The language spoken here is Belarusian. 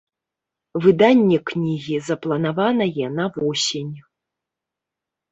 Выданне кнігі запланаванае на восень.